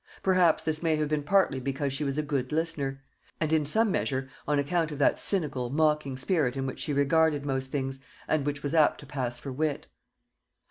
Perhaps this may have been partly because she was a good listener; and, in some measure, on account of that cynical, mocking spirit in which she regarded most things, and which was apt to pass for wit.